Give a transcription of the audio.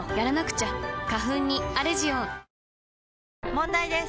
問題です！